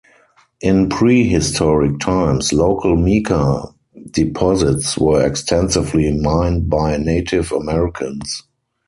In prehistoric times, local mica deposits were extensively mined by Native Americans.